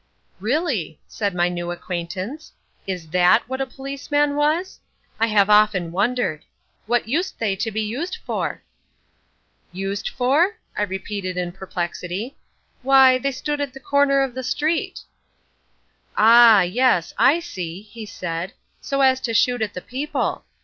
"Really," said my new acquaintance, "is that what a policeman was? I've often wondered. What used they to be used for?" "Used for?" I repeated in perplexity. "Why, they stood at the corner of the street." "Ah, yes, I see," he said, "so as to shoot at the people.